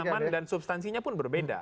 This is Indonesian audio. dari halaman dan substansinya pun berbeda